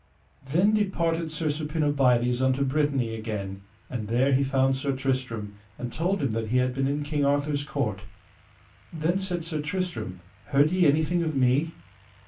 Then departed Sir Suppinabiles unto Brittany again, and there he found Sir Tristram, and told him that he had been in King Arthur's court. Then said Sir Tristram: Heard ye anything of me?